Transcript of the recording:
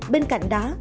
bên cạnh đó